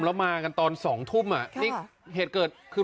แล้วมากันตอนสองทุ่มอ่ะใช่เหรอนี่เหตุเกิดคือ